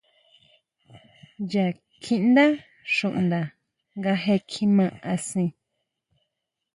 Nya kjiʼndá xuʼnda nga je kjima asen.